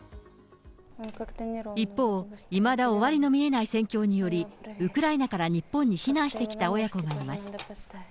一方、いまだ終わりの見えない戦況により、ウクライナから日本に避難してきた親子がいます。